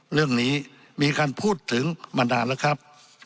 เรื่องนี้มีการพูดถึงมานานแล้วครับ